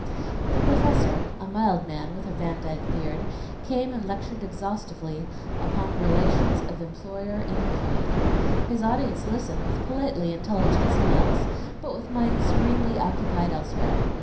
The professor, a mild man with a Van Dyke beard, came and lectured exhaustively upon the relations of employer and employed. His audience listened with politely intelligent smiles, but with minds serenely occupied elsewhere.